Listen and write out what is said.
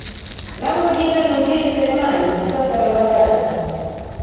langu jina nurdin seleman mktasari wa habari